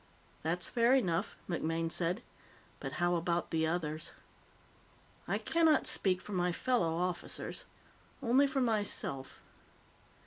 "That's fair enough," MacMaine said. "But how about the others?" "I cannot speak for my fellow officers only for myself."